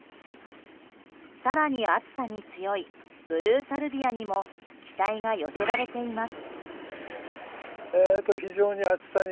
更に暑さに強いブルーサルビアにも期待が寄せられています。